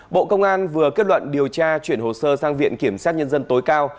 bộ công an vừa kết luận điều tra chuyển hồ sơ sang viện kiểm sát nhân dân tối cao